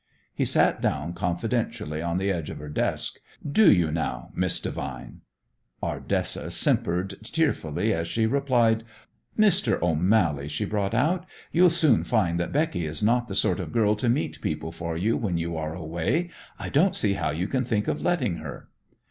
He sat down confidentially on the edge of her desk. "Do you, now, Miss Devine?" Ardessa simpered tearfully as she replied. "Mr. O'Mally," she brought out, "you'll soon find that Becky is not the sort of girl to meet people for you when you are away. I don't see how you can think of letting her."